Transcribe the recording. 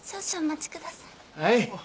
はい。